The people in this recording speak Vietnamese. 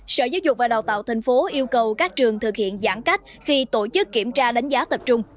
sở giáo dục và đào tạo tp yêu cầu các trường thực hiện giãn cách khi tổ chức kiểm tra đánh giá tập trung